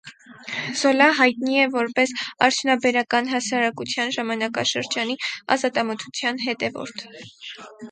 Զոլա յայտնի է որպէս արդիւնաբերական հասարակութեան ժամանակաշրջանին ազատամտութեան հետեւորդ։